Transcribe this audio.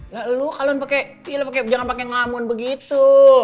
ya lu jangan pake ngamun begitu